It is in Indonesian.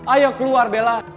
ayo keluar bella